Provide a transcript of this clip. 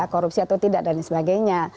korupsi atau tidak dan sebagainya